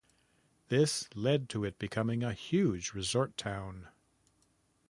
This led to it becoming a huge resort town.